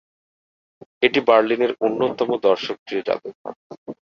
এটি বার্লিনের অন্যতম দর্শকপ্রিয় জাদুঘর।